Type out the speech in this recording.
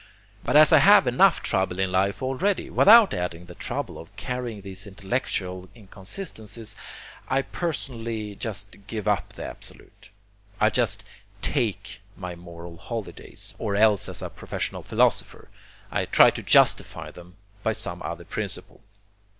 But as I have enough trouble in life already without adding the trouble of carrying these intellectual inconsistencies, I personally just give up the Absolute. I just TAKE my moral holidays; or else as a professional philosopher, I try to justify them by some other principle.